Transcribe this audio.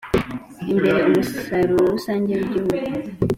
imbere umusaruro rusange w’igihugu